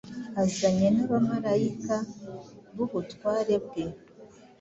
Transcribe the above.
azanye n’abamarayika b’ubutware bwe,